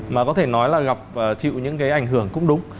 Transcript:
mà có thể nói là gặp chịu những cái ảnh hưởng cũng đúng